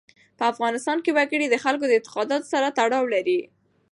په افغانستان کې وګړي د خلکو د اعتقاداتو سره تړاو لري.